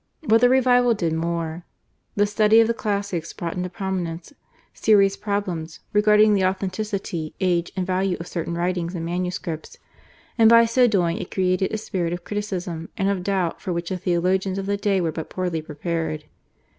But the revival did more. The study of the classics brought into prominence serious problems regarding the authenticity, age, and value of certain writings and manuscripts, and by so doing it created a spirit of criticism and of doubt for which the Theologians of the day were but poorly prepared.